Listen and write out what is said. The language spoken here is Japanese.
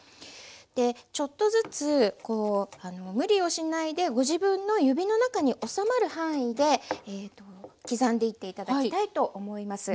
でちょっとずつ無理をしないでご自分の指の中におさまる範囲で刻んでいって頂きたいと思います。